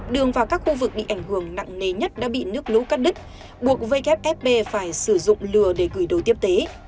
đường vào các khu vực bị ảnh hưởng nặng nề nhất đã bị nước lũ cắt đứt buộc wfp phải sử dụng lừa để gửi đồ tiếp tế